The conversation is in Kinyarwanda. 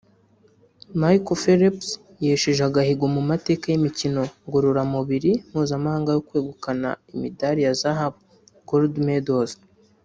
Michael Phelps yesheje agahigo mu mateka y’imikino ngororamubiri mpuzamahanga yo kwegukana imidali ya zahabu (gold medals)